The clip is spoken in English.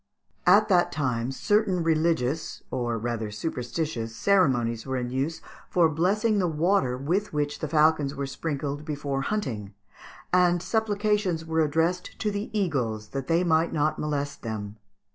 ] At that time certain religious or rather superstitious ceremonies were in use for blessing the water with which the falcons were sprinkled before hunting, and supplications were addressed to the eagles that they might not molest them.